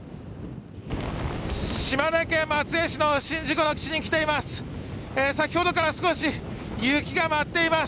島根県松江市の宍道湖の岸に来ています。